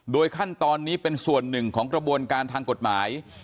ขั้นตอนนี้เป็นส่วนหนึ่งของกระบวนการทางกฎหมาย